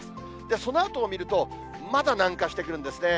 そのあとを見ると、まだ南下してくるんですね。